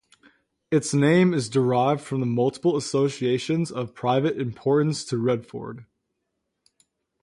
Its name is derived from multiple associations of private importance to Redford.